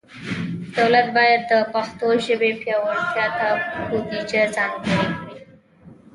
دولت باید د پښتو ژبې پیاوړتیا ته بودیجه ځانګړي کړي.